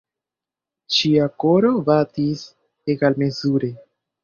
Ŝia koro batis egalmezure.